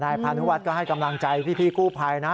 พานุวัฒน์ก็ให้กำลังใจพี่กู้ภัยนะ